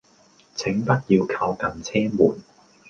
請不要靠近車門